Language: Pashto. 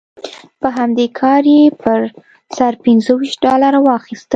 په همدې کار یې پر سر پنځه ویشت ډالره واخیستل.